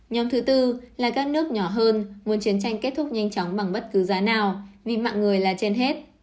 nhóm thứ tư là các nước nhỏ hơn nguồn chiến tranh kết thúc nhanh chóng bằng bất cứ giá nào vì mạng người là trên hết